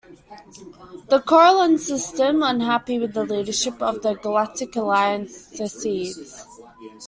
The Corellian system, unhappy with the leadership of the Galactic Alliance, secedes.